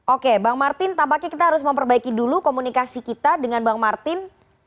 oke bang martin tampaknya kita harus memperbaiki dulu komunikasi kita dengan bang martin